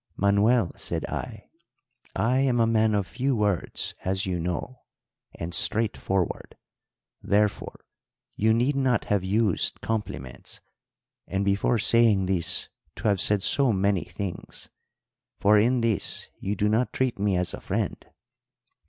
"'Manuel,' said I, 'I am a man of few words, as you know, and straightforward, therefore you need not have used compliments, and before saying this to have said so many things; for in this you do not treat me as a friend.'